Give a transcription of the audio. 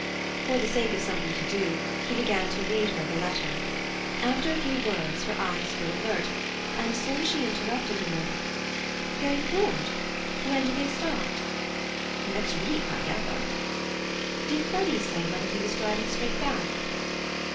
For the sake of something to do, he began to read her the letter. After a few words her eyes grew alert, and soon she interrupted him with "Going abroad? When do they start?" "Next week, I gather." "Did Freddy say whether he was driving straight back?"